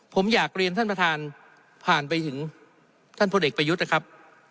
ผมอยากเรียนท่านประธานผ่านไปถึงท่านพลเอกประยุทธ์นะครับ